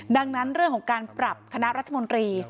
ดังนั้นเรื่องของการปรับคณะรัฐมนตรี